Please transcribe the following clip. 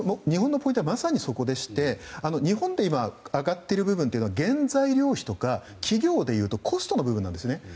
日本のポイントはまさにそこでして日本って上がっている部分というのが原材料費とか企業でいうとコストの部分ですね。